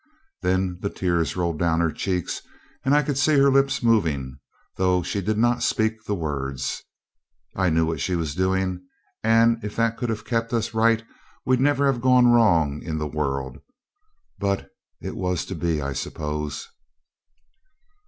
Then the tears rolled down her cheeks, and I could see her lips moving, though she did not speak the words. I knew what she was doing, and if that could have kept us right we'd never have gone wrong in the world. But it was to be, I suppose.